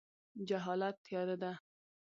جهالت تیاره ده